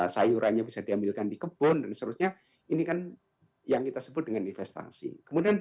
sayurannya bisa diambilkan di kebun dan seterusnya ini kan yang kita sebut dengan investasi kemudian